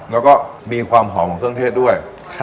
แล้วก็มีความหอมของเครื่องเทศด้วย